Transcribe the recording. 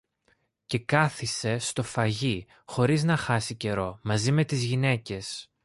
Και κάθισε στο φαγί, χωρίς να χάσει καιρό, μαζί με τις γυναίκες